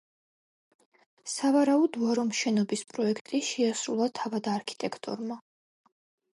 სავარაუდოა, რომ შენობის პროექტი შეასრულა თავად არქიტექტორმა.